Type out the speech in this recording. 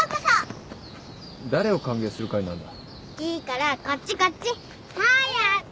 いいからこっちこっち。早く！